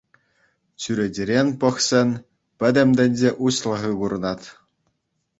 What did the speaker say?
Чӳречерен пӑхсен пӗтӗм тӗнче уҫлӑхӗ курӑнать.